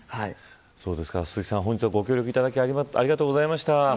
鈴木さん、本日はご協力いただきありがとうございました。